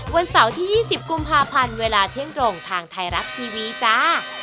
วันเสาร์ที่๒๐กุมภาพันธ์เวลาเที่ยงตรงทางไทยรัฐทีวีจ้า